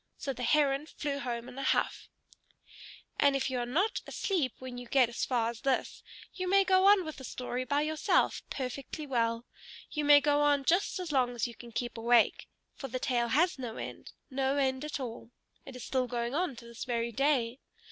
So the Heron flew home in a huff. And if you are not asleep when you get as far as this, you may go on with the story by yourself, perfectly well. You may go on just as long as you can keep awake. For the tale has no end, no end at all. It is still going on to this very day.